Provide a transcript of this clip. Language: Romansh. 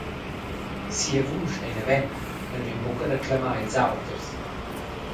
Sia vusch ei naven, el vegn buca da clamar ils auters.